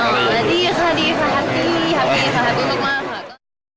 ดีค่ะดีครับฮัฟพีฟ้าพรุษมาก